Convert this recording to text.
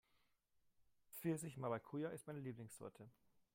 Pfirsich-Maracuja ist meine Lieblingssorte